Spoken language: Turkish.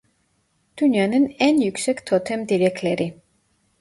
Dünya'nın en yüksek totem direkleri: